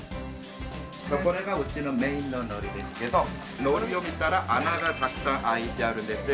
これがうちのメインの海苔ですけど海苔を見たら穴がたくさん開いてるんですよ